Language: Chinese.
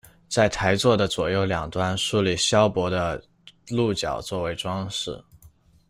在台座的左右两端竖立削薄的鹿角作为装饰。